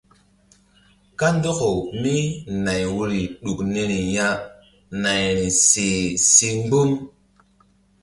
Kandɔkawmínay woyri ɗuk niri ya nayri seh si mgbi̧m.